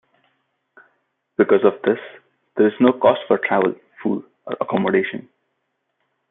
Because of this there is no cost for travel, food, or accommodation.